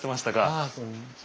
ああこんにちは。